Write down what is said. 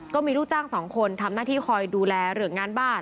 ก็มีลูกจ้างสองคนทำหน้าที่คอยดูแลเรื่องงานบ้าน